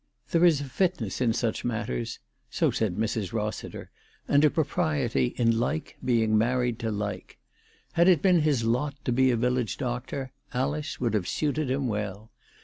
There is a fitness in such matters, so said Mrs. Eossiter, and a propriety in like being married to like. Had it been his lot to be a village doctor, Alice would have suited him well.